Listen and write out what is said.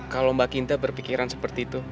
kalau mbak kinta berpikiran seperti itu